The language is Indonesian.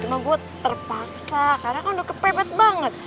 cuma gue terpaksa karena kan udah kepepet banget